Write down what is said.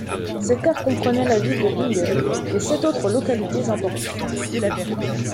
Ces terres comprenaient la ville de Bingen et sept autres localités importantes.